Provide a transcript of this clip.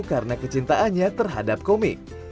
karena kecintaannya terhadap komik